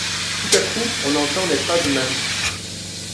Tout à coup on entend les pas du mari.